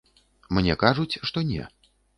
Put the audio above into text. Мне кажуць, што не.